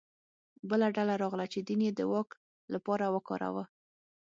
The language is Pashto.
بله ډله راغله چې دین یې د واک لپاره وکاروه